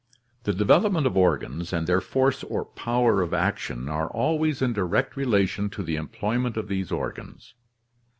— The development of organs and their force or power of action are always in direct relation to the employment of these organs.